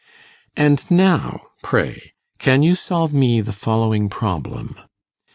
And now, pray, can you solve me the following problem?